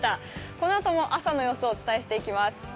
このあとも朝の様子をお伝えしていきます。